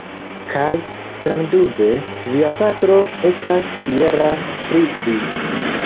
Kaj, sendube, via patro estas fiera pri vi.